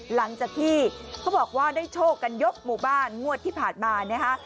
หลังจากที่เขาบอกว่าได้โชคกันยกหมู่บ้านงวดที่ผ่านมานะฮะ